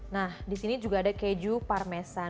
nah di sini juga ada keju parmesan